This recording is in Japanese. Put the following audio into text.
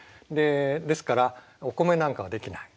ですからお米なんかは出来ない。